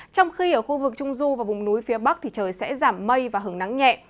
trong khi ở khu vực trung du và vùng núi phía bắc thì trời sẽ giảm mây và hứng nắng nhẹ